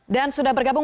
dan sudah bergabung